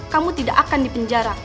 kamu tidak akan dipenjara